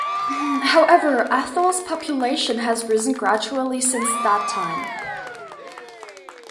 However, Athol's population has risen gradually since that time.